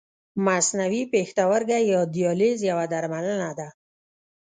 مصنوعي پښتورګی یا دیالیز یوه درملنه ده.